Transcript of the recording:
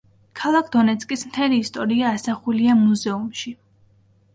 ქალაქ დონეცკის მთელი ისტორია ასახულია მუზეუმში.